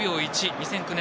２００９年